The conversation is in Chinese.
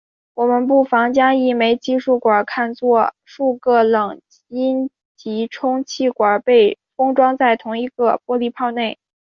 我们不妨将一枚计数管看作数个冷阴极充气管被封装在同一个玻璃泡内。